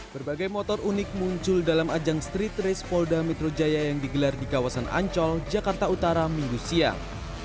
berbagai motor unik muncul dalam ajang street race polda metro jaya yang digelar di kawasan ancol jakarta utara minggu siang